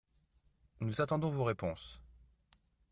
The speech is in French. Nous attendons vos réponses